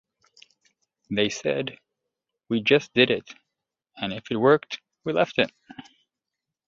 They said, 'We just did it, and if it worked, we left it.